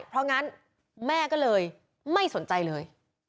เพราะงั้นแม่ก็เลยไม่สนใจเลย